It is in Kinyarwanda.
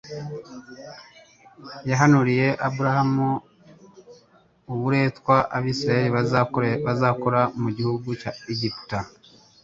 yahanuriye Aburahamu uburetwa Abisiraeli bazakora mu gihugu cy'Egiputa